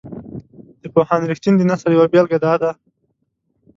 د پوهاند رښتین د نثر یوه بیلګه داده.